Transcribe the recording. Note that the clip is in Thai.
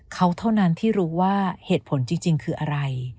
เขาเท่านั้นที่รู้ว่าเหตุผลจริงคืออะไร